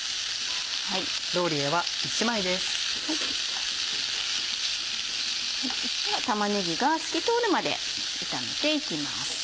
そうしたら玉ねぎが透き通るまで炒めていきます。